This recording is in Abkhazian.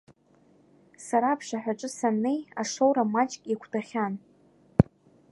Сара аԥшаҳәаҿы саннеи, ашоура маҷк еиқәтәахьан.